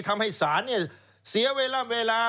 ทำให้สารนี่เสียเวลาเวลา